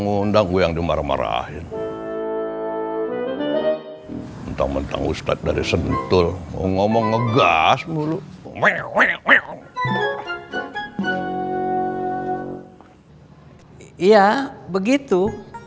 ngundang gue yang dimarah marahin mentang mentang ustadz dari sentul ngomong ngegas mulu ya begitu